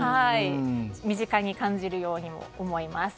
身近に感じるように思います。